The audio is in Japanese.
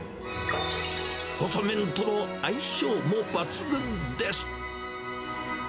細麺との相性も抜群です。